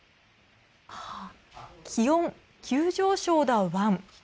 気温急上昇だワン。